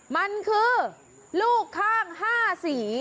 มันคือลูกข้าง๕สี